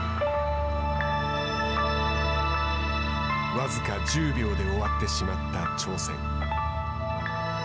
僅か１０秒で終わってしまった挑戦。